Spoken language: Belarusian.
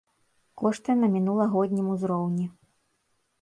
Кошты на мінулагоднім узроўні.